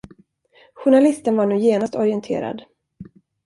Journalisten var nu genast orienterad.